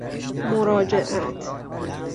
مراجعت